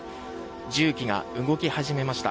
重機が動き始めました。